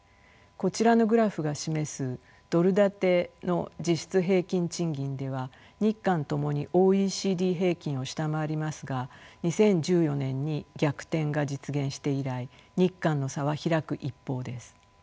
こちらのグラフが示すドル建ての実質平均賃金では日韓共にＯＥＣＤ平均を下回りますが２０１４年に逆転が実現して以来日韓の差は開く一方です。